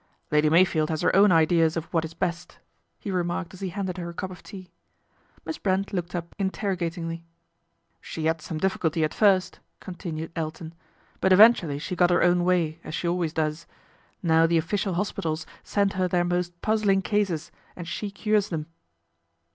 " Lady Meyfield has her own ideas of what is best," he remaiked as he handed her a cup of tea. Miss Brent looked up interrogatingly. " She had some difficulty at first," continued Elton ;" but eventually she got her own way as she always does. Now the official hospitals send her their most puzzling cases and she cures them."